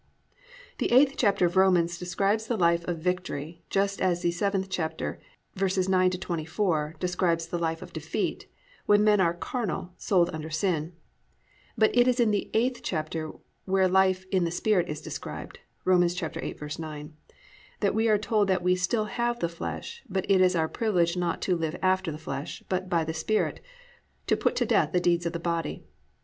The 8th chapter of Romans describes the life of victory, just as the 7th chapter, 9 24 verse describes the life of defeat, when men are "carnal, sold under sin," but it is in the 8th chapter where life "in the Spirit" is described (Rom. 8:9) that we are told that we still have the flesh, but that it is our privilege not to "live after the flesh," but "by the Spirit," to "put to death the deeds of the body."